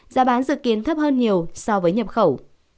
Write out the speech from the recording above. giá bán dự kiến thấp hơn nhiều so với nhập khẩu